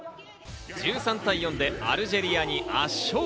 １３対４でアルジェリアに圧勝。